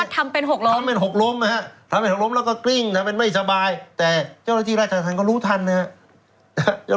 ทำเป็นหกลมนะฮะทำเป็นหกลมแล้วก็กลิ้งทำเป็นไม่สบายแต่เจ้าหน้าที่รักษาทันก็รู้ทันนะฮะ